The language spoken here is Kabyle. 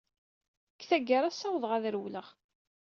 Deg tgara, ssawḍeɣ ad d-rewleɣ.